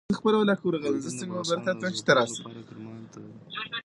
ګورګین د بلوڅانو د ځپلو لپاره کرمان ته لاړ.